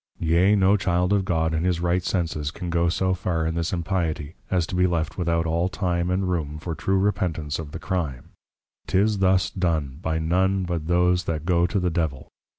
Yea, no Child of God, in his Right Senses can go so far in this impiety, as to be left without all Time and Room for true Repentance of the Crime; 'tis thus done, by none but those that go to the Devil.